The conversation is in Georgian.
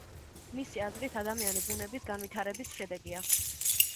მისი აზრით, ადამიანი ბუნების განვითარების შედეგია.